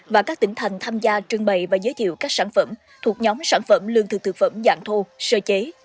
và các tỉnh thành tham gia trưng bày và giới thiệu các sản phẩm thuộc nhóm sản phẩm lương thực thực phẩm dạng thô sơ chế